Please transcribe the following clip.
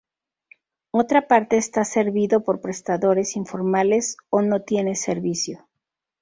Otra parte está servido por prestadores informales o no tiene servicio.